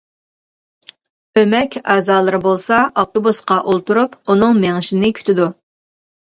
ئۆمەك ئەزالىرى بولسا ئاپتوبۇسقا ئولتۇرۇپ، ئۇنىڭ مېڭىشىنى كۈتىدۇ.